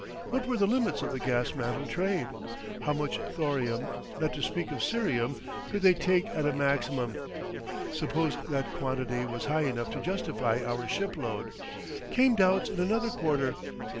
What were the limits of the gas mantle trade? How much thorium, not to speak of cerium, could they take at a maximum. Suppose that quantity was high enough to justify our shipload, came doubts in another quarter.